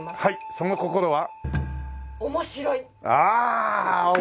その心は？